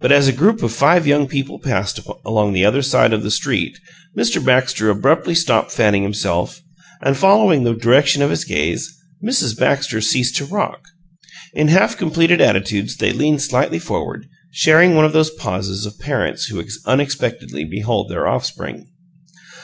But as a group of five young people passed along the other side of the street Mr. Baxter abruptly stopped fanning himself, and, following the direction of his gaze, Mrs. Baxter ceased to rock. In half completed attitudes they leaned slightly forward, sharing one of those pauses of parents who unexpectedly behold their offspring.